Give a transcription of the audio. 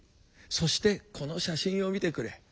そしてこの写真を見てくれ。